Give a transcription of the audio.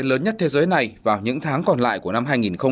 lớn nhất thế giới này vào những tháng còn lại của năm hai nghìn một mươi chín